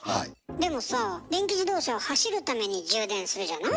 でもさあ電気自動車は走るために充電するじゃない？